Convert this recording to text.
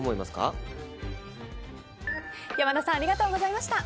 山田さんありがとうございました。